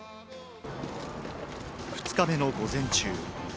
２日目の午前中。